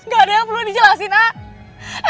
gak ada yang perlu dijelasin ak